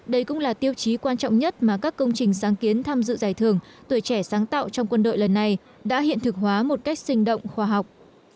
đây cũng là tiêu chí quan trọng nhất mà các công trình sáng kiến tham dự giải thưởng tuổi trẻ sáng tạo trong quân đội lần này đã hiện thực hóa một cách sinh động khoa học